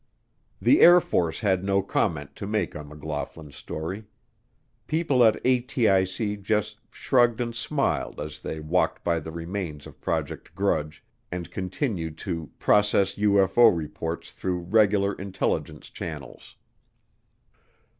The Air Force had no comment to make on McLaughlin's story. People at ATIC just shrugged and smiled as they walked by the remains of Project Grudge, and continued to "process UFO reports through regular intelligence channels."